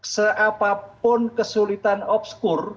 seapapun kesulitan obskur